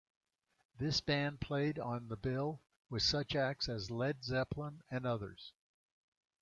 This band played on the bill with such acts as Led Zeppelin and others.